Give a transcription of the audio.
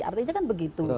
artinya kan begitu